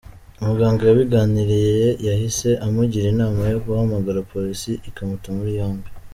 Umuganga yabiganiriye yahise amugira inama yo guhamagara polisi ikamuta muri yombi.